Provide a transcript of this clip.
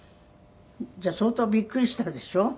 じゃあ相当びっくりしたでしょ？